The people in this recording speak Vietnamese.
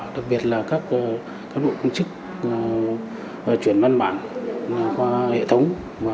đặc biệt là các bộ công chức chuyển văn bản qua hệ thống